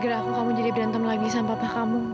gara gara aku kamu jadi berdentem lagi sama bapak kamu